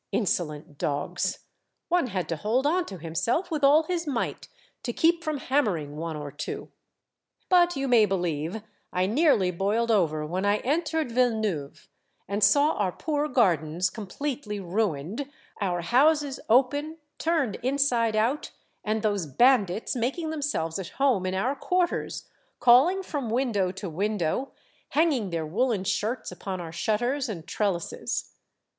Insolent dogs ! one had to hold on to himself with all his might to keep from hammering one or two ! But, you may be lieve, I nearly boiled over when I entered Ville neuve, and saw our poor gardens completely ruined, our houses open, turned inside out, and those ban dits making themselves at home in our quarters, calling from window to window, hanging their woollen shirts upon our shutters and trellises.